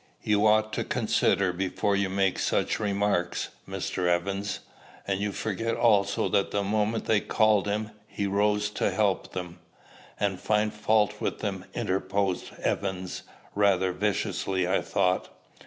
You ought to consider before you make such remarks, Mr. Evans. And you forget also that the moment they called him, he rose to help them." "And find fault with them," interposed Evans, rather viciously I thought.